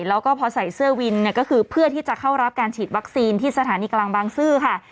แล้วก็พอใส่เสื้อวินเนี่ยก็คือเพื่อที่จะเข้ารับการฉีดวัคซีนที่สถานีกลางบางซื่อค่ะ